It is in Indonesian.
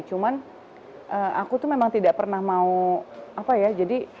cuman aku tuh memang tidak pernah mau apa ya